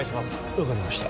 分かりました